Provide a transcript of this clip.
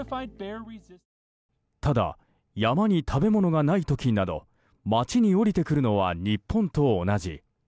ただ、山に食べ物がない時など街に降りてくるのは日本と同じ。